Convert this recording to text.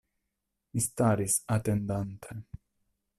Mi staris, atendante.